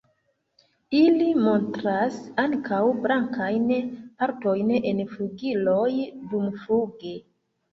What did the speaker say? Ili montras ankaŭ blankajn partojn en flugiloj dumfluge.